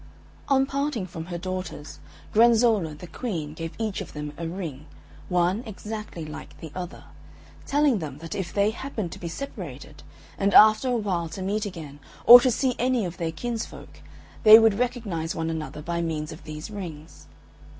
On parting from her daughters, Granzolla the Queen gave each of them a ring, one exactly like the other, telling them that if they happened to be separated, and after a while to meet again, or to see any of their kinsfolk, they would recognise one another by means of these rings.